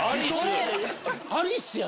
アリスや。